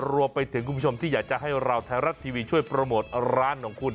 รวมไปถึงคุณผู้ชมที่อยากจะให้เราไทยรัฐทีวีช่วยโปรโมทร้านของคุณ